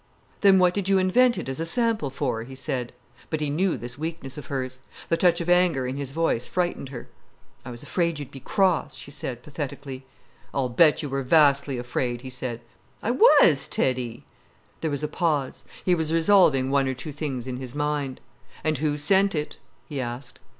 "Then what did you invent it as a sample for?" he said. But he knew this weakness of hers. The touch of anger in his voice frightened her. "I was afraid you'd be cross," she said pathetically. "I'll bet you were vastly afraid," he said. "I was, Teddy." There was a pause. He was resolving one or two things in his mind. "And who sent it?" he asked.